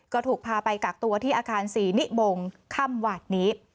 ก็ถูกพาไปกักตัวที่อาคารศรีนิบงค่ำหวาดนี้